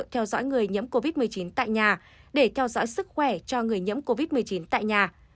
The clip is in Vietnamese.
theo dõi người nhiễm covid một mươi chín tại nhà để theo dõi sức khỏe cho người nhiễm covid một mươi chín tại nhà